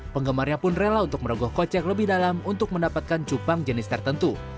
penggemarnya pun rela untuk merogoh kocek lebih dalam untuk mendapatkan cupang jenis tertentu